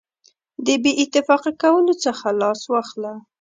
د بې اتفاقه کولو څخه لاس واخله.